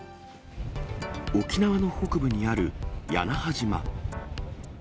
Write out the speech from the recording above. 沖縄の北部にある屋那覇島。